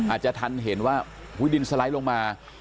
อาจจะทันเห็นว่าดินสไลด์ลงมา